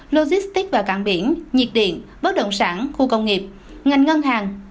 logistic và cạn biển nhiệt điện bất động sản khu công nghiệp ngành ngân hàng